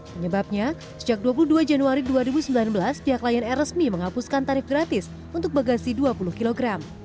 penyebabnya sejak dua puluh dua januari dua ribu sembilan belas pihak lion air resmi menghapuskan tarif gratis untuk bagasi dua puluh kg